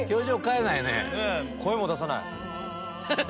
声も出さない。